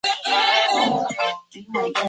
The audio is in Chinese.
长龙骨黄耆是豆科黄芪属的植物。